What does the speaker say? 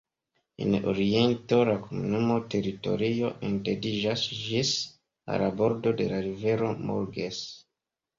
En oriento la komunuma teritorio etendiĝas ĝis al la bordo de la rivero Morges.